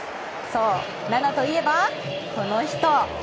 そう、「７」といえばこの人。